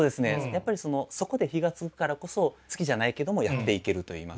やっぱりそこで火がつくからこそ好きじゃないけどもやっていけるといいますか。